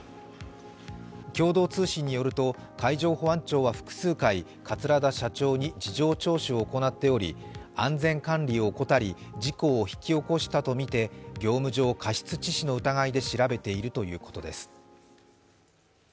共同通信によると、海上保安庁は複数回、桂田社長に事情聴取を行っており、安全管理を怠り、事故を引き起こしたとみて業務上過失致死の疑いで調べているということです。